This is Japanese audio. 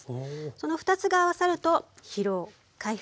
その２つが合わさると疲労回復